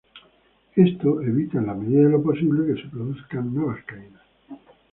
Esto evita, en la medida de lo posible, que se produzcan nuevas caídas.